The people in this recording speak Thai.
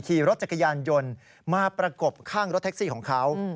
ขี่รถจักรยานยนต์มาประกบข้างรถแท็กซี่ของเขา